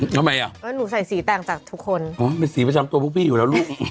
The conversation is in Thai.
ทำไมอ่ะอ๋อหนูใส่สีแตกจากทุกคนโอ๊ยเป็นสีมาชัดตัวพวกพี่อยู่แล้วลูก